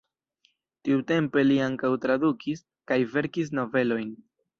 Tiutempe li ankaŭ tradukis kaj verkis novelojn.